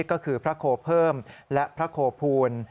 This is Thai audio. ก็คือพระโขเพิ่มและพระโขภูนย์